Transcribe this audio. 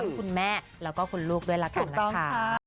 กับคุณแม่แล้วก็คุณลูกด้วยนะคะ